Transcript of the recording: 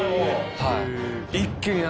はい。